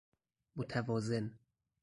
متوازن